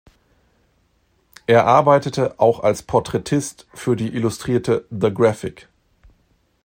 Er arbeitete auch als Porträtist für die Illustrierte The Graphic.